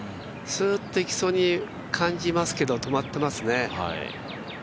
すーっといきそうに感じますけど、止まってますね。